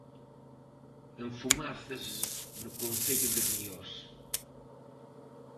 En Fumaces, no concello de Riós.